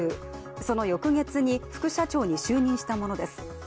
その翌月に副社長に就任したものです。